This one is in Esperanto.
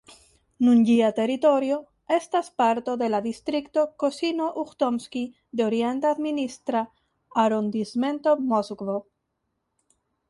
Nun ĝia teritorio estas parto de la distrikto Kosino-Uĥtomskij de Orienta Administra Arondismento, Moskvo.